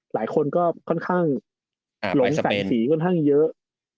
หลายคนก็ค่อนข้างหลงศักดิ์สีค่อนข้างเยอะ